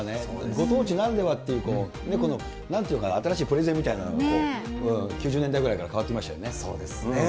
ご当地ならではっていう、なんていうか、新しいプレゼンみたいなの、９０年代ぐらいから変わってきまそうですね。